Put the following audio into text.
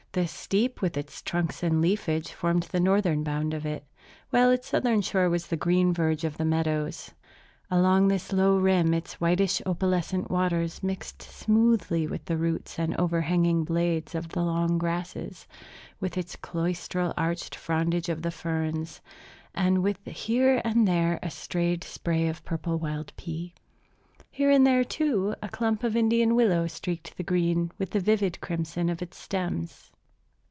The steep with its trunks and leafage formed the northern bound of it; while its southern shore was the green verge of the meadows. Along this low rim its whitish opalescent waters mixed smoothly with the roots and over hanging blades of the long grasses, with the cloistral arched frondage of the ferns, and with here and there a strayed spray of purple wild pea. Here and there, too, a clump of Indian willow streaked the green with the vivid crimson of its stems.